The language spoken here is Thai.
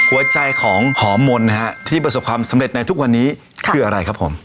หัวใจของหอมมนต์นะฮะที่ประสบความสำเร็จในทุกวันนี้คืออะไรครับผม